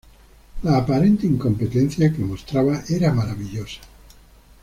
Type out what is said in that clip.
La aparente incompetencia que mostraba era maravillosa.